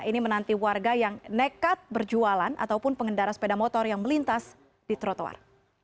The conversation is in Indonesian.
ini menanti warga yang nekat berjualan ataupun pengendara sepeda motor yang melintas di trotoar